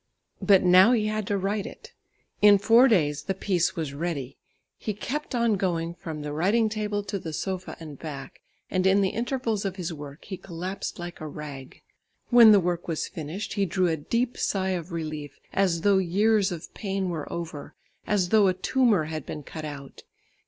But now he had to write it. In four days the piece was ready. He kept on going from the writing table to the sofa and back; and in the intervals of his work, he collapsed like a rag. When the work was finished, he drew a deep sigh of relief, as though years of pain were over, as though a tumour had been cut out.